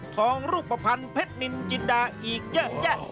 ทองรูปภัณฑ์เพชรนินจินดาอีกเยอะแยะ